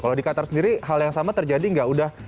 kalau di qatar sendiri hal yang sama terjadi enggak